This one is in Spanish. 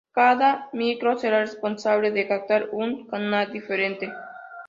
Cada micro será responsable de captar un canal diferente.